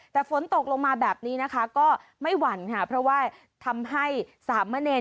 แต่ฝนตกลงมาแบบนี้นะคะก็ไม่หวั่นค่ะเพราะว่าทำให้สามเณร